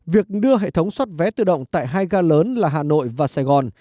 việc đưa hệ thống soát vé tự động tại hai gà lớn là hà nội và sài gòn